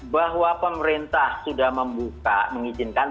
bahwa pemerintah sudah membuka mengizinkan